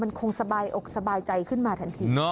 มันคงสบายอกสบายใจขึ้นมาทันที